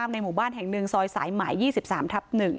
ในหมู่บ้านแห่งหนึ่งซอยสายหมาย๒๓ทับ๑